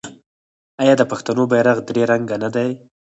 آیا د پښتنو بیرغ درې رنګه نه دی؟